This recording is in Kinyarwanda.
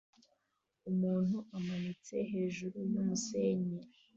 Umuntu amanitse hejuru yumusenyi